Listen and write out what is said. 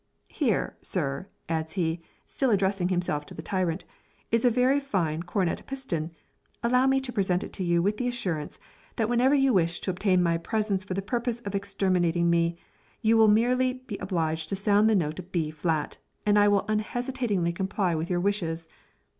"Here, sir," adds he, still addressing himself to the tyrant, "is a very fine cornet à piston, allow me to present it to you with the assurance, that whenever you wish to obtain my presence for the purpose of exterminating me, you will merely be obliged to sound the note of B flat, and I will unhesitatingly comply with your wishes."